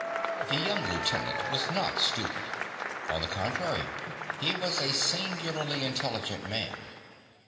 The young lieutenant was not stupid. On the contrary, he was a singularly intelligent man.